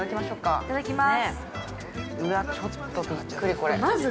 いただきます。